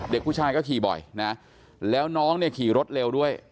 เด็กผู้ชายก็ขี่บ่อยนะแล้วน้องเนี่ยขี่รถเร็วด้วย